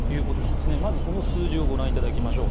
まず、この数字をご覧いただきましょう。